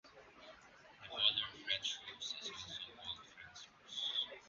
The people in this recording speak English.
The color French rose is also called France rose.